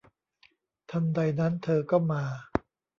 ทันใดนั้นเธอก็มา